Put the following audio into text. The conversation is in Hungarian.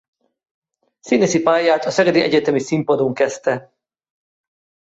Színészi pályáját a Szegedi Egyetemi Színpadon kezdte.